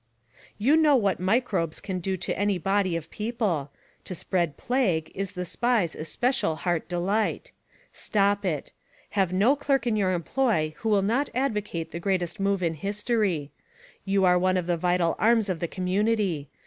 You know what microbes can do to. any body of people. To spread plague is the Spies especial heart delight. Stop it ! Have no clerk in your employ who will not advocate the greatest move in history. You are one of the vital arms of the community.